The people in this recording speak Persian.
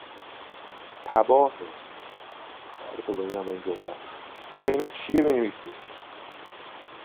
تباهه